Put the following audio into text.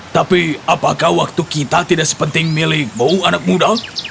tapi apakah waktu kita tidak sepenting milikmu anak muda